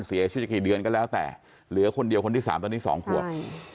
เสียชีวิตกี่เดือนก็แล้วแต่เหลือคนเดียวคนที่๓ตอนนี้๒ขวบ